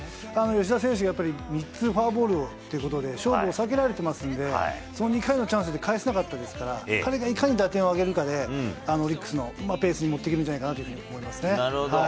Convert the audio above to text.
吉田選手、やっぱり３つフォアボールということで、勝負を避けられてますので、その２回のチャンスで返せなかったですから、彼がいかに打点を挙げるかで、オリックスのペースに持っていけるんじゃないかなと思なるほど。